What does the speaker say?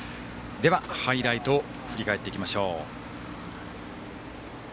ハイライトを振り返っていきましょう。